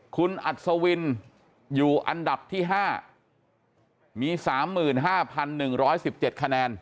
คุณอัศวินอยู่อันดับที่๕มี๓๕๑๑๗คะแนน